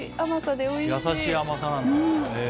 優しい甘さなんだ。